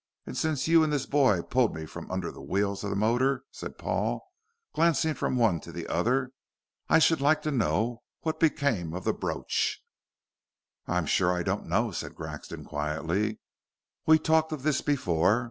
And since you and this boy pulled me from under the wheels of the motor," said Paul, glancing from one to the other, "I should like to know what became of the brooch." "I'm sure I don't know," said Grexon, quietly. "We talked of this before.